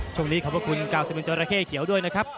ช่วงนี้ขอบคุณกาวสิบหนึ่งเจ้าระเข้เขียวด้วยนะครับ